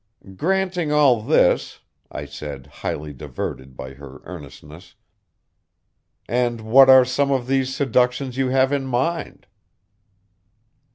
"Granting all this," I said, highly diverted by her earnestness, "and what are some of these seductions you have in mind?"